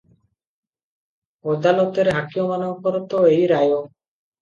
ଅଦାଲତରେ ହାକିମମାନଙ୍କର ତ ଏହି ରାୟ ।